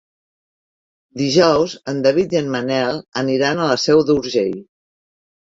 Dijous en David i en Manel aniran a la Seu d'Urgell.